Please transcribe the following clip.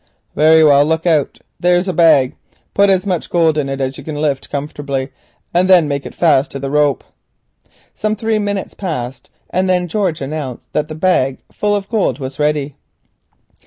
"Very well. Look out! There's a bag. Put as much gold in it as you can lift comfortably, and then make it fast to the rope." Some three minutes passed, and then George announced that the bagful of gold was ready.